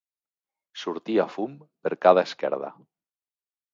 Sortia fum per cada esquerda.